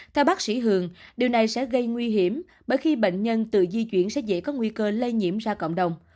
theo bác sĩ hường điều này sẽ gây nguy hiểm bởi khi bệnh nhân tự di chuyển sẽ dễ có nguy cơ lây nhiễm ra cộng đồng